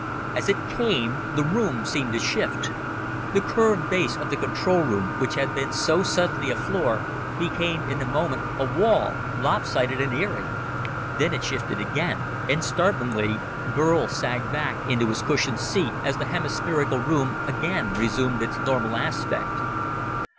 As it came, the room seemed to shift. The curved base of the control room, which had been so suddenly a floor, became in a moment a wall, lopsided and eerie. Then it shifted again, and, startlingly, Burl sagged back into his cushioned seat as the hemispherical room again resumed its normal aspect.